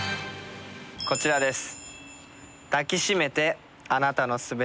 こちらです。